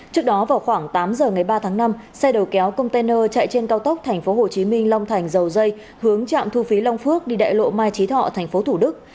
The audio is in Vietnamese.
trước đó vào khoảng tám giờ ngày ba tháng năm xe đầu kéo container chạy trên cao tốc tp hcm long thành dầu dây hướng trạm thu phí long phước đi đại lộ mai trí thọ tp thủ đức